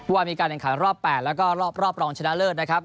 ว่ามีการแข่งขันรอบ๘แล้วก็รอบรองชนะเลิศนะครับ